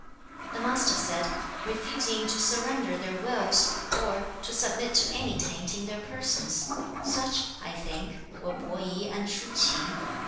2. The Master said, 'Refusing to surrender their wills, or to submit to any taint in their persons; such, I think, were Po i and Shu ch'i.